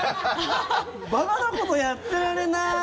馬鹿なことやってられない！